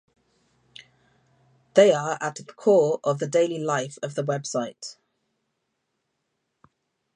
They are at the core of the daily life of the website.